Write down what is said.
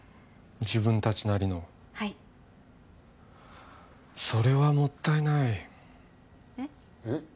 自分達なりのはいそれはもったいないえっ？えっ？